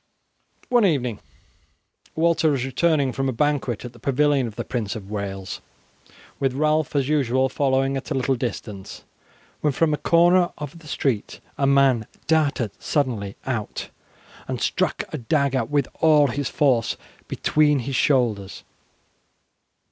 One evening Walter was returning from a banquet at the pavilion of the Prince of Wales, with Ralph as usual following at a little distance, when from a corner of the street a man darted suddenly out and struck a dagger with all his force between his shoulders.